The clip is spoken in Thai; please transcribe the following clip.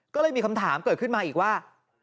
ก็เลยมีคำถามเกิดขึ้นมาอีกว่า